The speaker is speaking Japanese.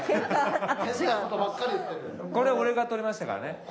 これ俺が撮りましたからね。